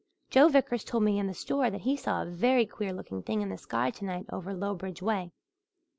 Joe Vickers told me in the store that he saw a very queer looking thing in the sky tonight over Lowbridge way.